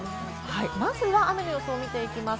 まずは雨の予想を見ていきます。